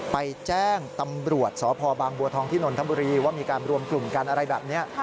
ไปแจ้งตำรวจสพบางบัวทองที่นนทบุรีว่ามีการรวมกลุ่มกันอะไรแบบนี้